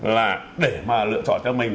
là để mà lựa chọn cho mình